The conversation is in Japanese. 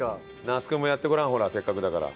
那須君もやってごらんほらせっかくだから。